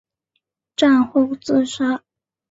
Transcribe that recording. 战后自杀。